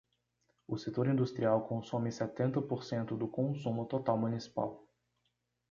O setor industrial consome setenta por cento do consumo total municipal.